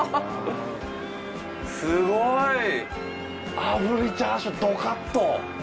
すごい！炙りチャーシュードカッと。